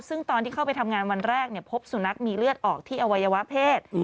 ซึ่งตอนที่เข้าไปทำงานวันแรกพบสุนัขมีเลือดออกที่อวัยวะเพศ